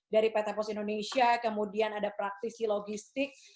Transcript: dari pt pos indonesia kemudian ada praktisi logistik